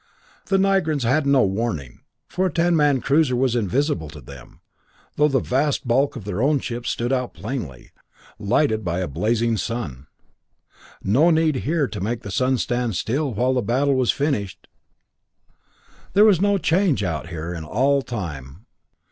The Nigrans had no warning, for a ten man cruiser was invisible to them, though the vast bulk of their own ships stood out plainly, lighted by a blazing sun. No need here to make the sun stand still while the battle was finished! There was no change out here in all time!